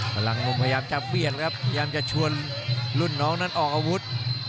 พลังงมพยายามจะเบียดแล้วครับพยายามจะชวนรุ่นน้องนั้นออกอาวุธ